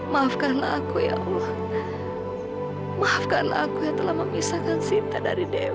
maafkanlah aku ya allah maafkanlah aku yang telah memisahkan cinta dari demo